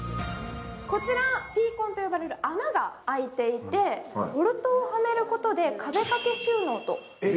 こちらピーコンと呼ばれる穴が開いていてボルトをはめることで壁掛け収納と。